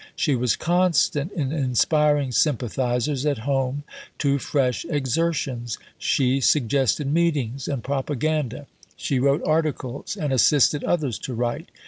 She was constant in inspiring sympathisers at home to fresh exertions. She suggested meetings and propaganda. She wrote articles and assisted others to write.